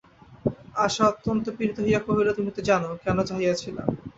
আশা অত্যন্ত পীড়িত হইয়া কহিল, তুমি তো জান, কেন চাহিয়াছিলাম।